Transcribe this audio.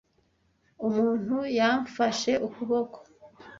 Umuntu yamfashe ukuboko.